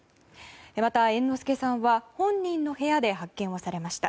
また、猿之助さんは本人の部屋で発見されました。